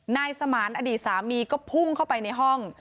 นายสมานอดีตสามีก็พุ่งเข้าไปในห้อง